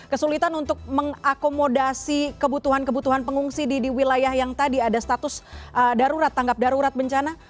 kesulitan untuk mengakomodasi kebutuhan kebutuhan pengungsi di wilayah yang tadi ada status darurat tanggap darurat bencana